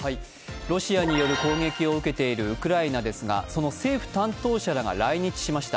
ロシアによる攻撃を受けているウクライナですがその政府担当者らが来日しました。